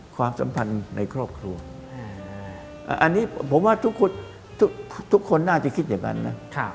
ความสัมพันธ์ในครอบครัวอันนี้ผมว่าทุกคนน่าจะคิดอย่างนั้นนะ